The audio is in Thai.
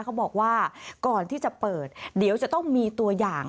เขาบอกว่าก่อนที่จะเปิดเดี๋ยวจะต้องมีตัวอย่าง